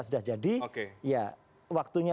sudah jadi ya waktunya